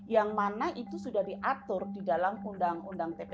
yang mana itu sudah diatur di dalam undang undang tp